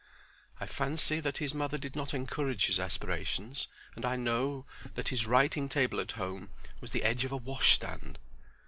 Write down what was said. I fancy that his mother did not encourage his aspirations, and I know that his writing table at home was the edge of his washstand.